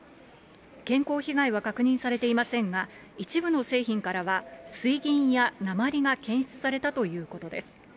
健康被害は確認されていませんが、一部の製品からは、水銀や鉛が検出されたということです。